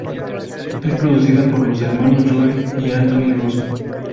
Es producida por los hermanos Joe y Anthony Russo.